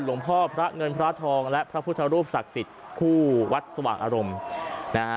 หลวงพ่อพระเงินพระทองและพระพุทธรูปศักดิ์สิทธิ์คู่วัดสวักอารมณ์